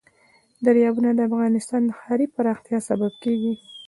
دریابونه د افغانستان د ښاري پراختیا سبب کېږي.